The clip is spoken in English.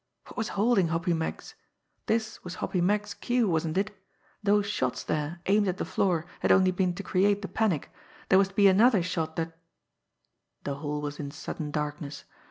What was holding Hoppy Meggs! This was Hoppy Meggs' cue, wasn't it? those shots there, aimed at the floor, had only been to create the panic there was to be another shot that The hall was in sudden darkness.